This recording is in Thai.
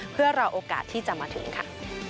เพื่อรอโอกาสที่จะมาถึงค่ะ